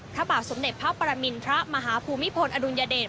ข้าวบอกสมเด็จพระปรมินพระมหาภูมิภลอดุลยเดช